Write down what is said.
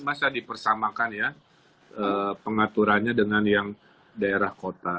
masa dipersamakan ya pengaturannya dengan yang daerah kota